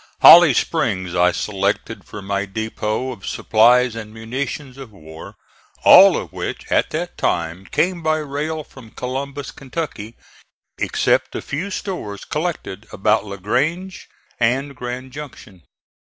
Holly Springs I selected for my depot of supplies and munitions of war, all of which at that time came by rail from Columbus, Kentucky, except the few stores collected about La Grange and Grand Junction.